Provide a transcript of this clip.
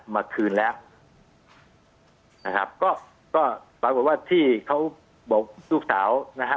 มาคืนแล้วนะครับก็ก็ปรากฏว่าที่เขาบอกลูกสาวนะฮะ